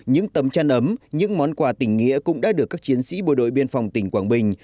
những tấm chăn ấm những món quà tình nghĩa cũng đã được các chiến sĩ bộ đội biên phòng tỉnh quảng bình